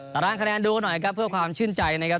ตารางคะแนนดูหน่อยครับเพื่อความชื่นใจนะครับ